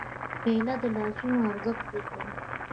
پیاله د لاسونو ارزښت زیاتوي.